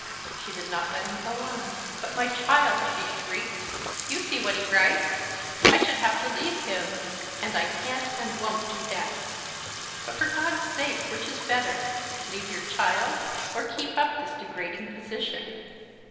She did not let him go on. "But my child!" she shrieked. "You see what he writes! I should have to leave him, and I can't and won't do that." "But, for God's sake, which is better?—leave your child, or keep up this degrading position?"